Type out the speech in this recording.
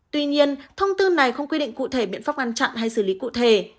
tuy nhiên thông tư này không quy định cụ thể biện pháp ngăn chặn hay xử lý cụ thể